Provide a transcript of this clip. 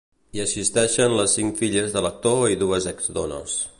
Hi assisteixen les cinc filles de l’actor i dues ex-dones.